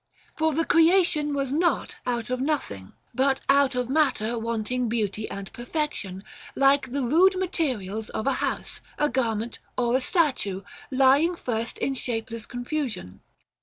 For the creation was not out of nothing, but out of matter wanting beauty and perfection, like the rude materials of a house, a garment, or a statue, lying first in shapeless confusion.